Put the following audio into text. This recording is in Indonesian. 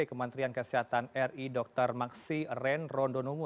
kementerian kesehatan ri dr maksi ren rondonumu